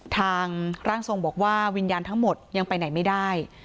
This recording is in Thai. ร่างทรงบอกว่าวิญญาณทั้งหมดยังไปไหนไม่ได้